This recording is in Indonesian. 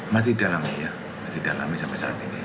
masih dalami ya masih dalami sampai saat ini